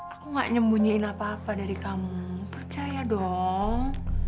aku gak nyembunyiin apa apa dari kamu percaya dong